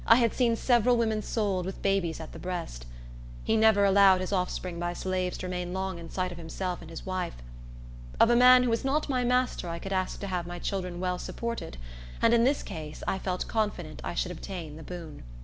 I had seen several women sold, with babies at the breast. He never allowed his offspring by slaves to remain long in sight of himself and his wife. Of a man who was not my master I could ask to have my children well supported; and in this case, I felt confident I should obtain the boon.